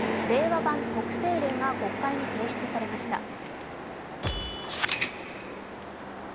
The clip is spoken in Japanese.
令和版徳政令が国会に提出されました。